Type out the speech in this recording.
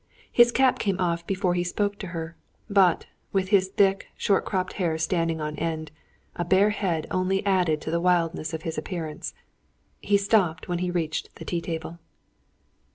His cap came off before he spoke to her; but, with his thick, short cropped hair standing on end, a bare head only added to the wildness of his appearance. He stopped when he reached the tea table.